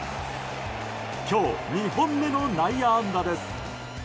今日２本目の内野安打です。